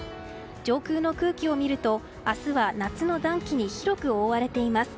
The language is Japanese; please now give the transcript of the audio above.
上空の空気を見ると、明日は夏の暖気に広く覆われています。